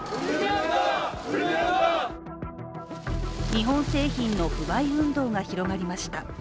日本製品の不買運動が広がりました。